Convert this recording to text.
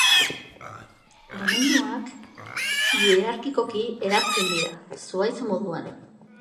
Domeinuak hierarkikoki eratzen dira, zuhaitz moduan.